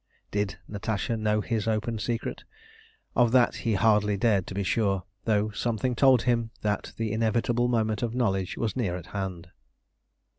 Did Natasha know his open secret? Of that he hardly dared to be sure, though something told him that the inevitable moment of knowledge was near at hand.